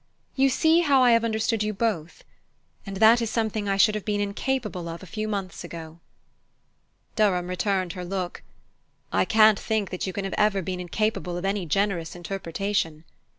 You see how I have understood you both. And that is something I should have been incapable of a few months ago." Durham returned her look. "I can't think that you can ever have been incapable of any generous interpretation."